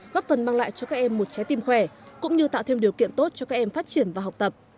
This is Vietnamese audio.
góp phần mang lại cho các em một trái tim khỏe cũng như tạo thêm điều kiện tốt cho các em phát triển và học tập